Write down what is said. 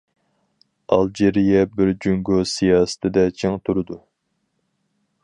ئالجىرىيە بىر جۇڭگو سىياسىتىدە چىڭ تۇرىدۇ.